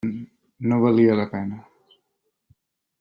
No valia la pena.